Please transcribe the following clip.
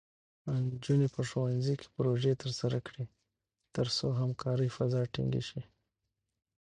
نجونې په ښوونځي کې پروژې ترسره کړي، ترڅو همکارۍ فضا ټینګې شي.